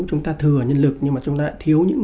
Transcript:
chúng ta thừa nhân lực nhưng mà chúng ta thiếu những người